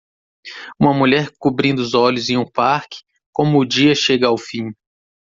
Uma mulher cobrindo os olhos em um parque como o dia chega ao fim